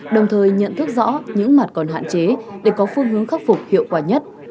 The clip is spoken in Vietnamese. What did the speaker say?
đồng thời nhận thức rõ những mặt còn hạn chế để có phương hướng khắc phục hiệu quả nhất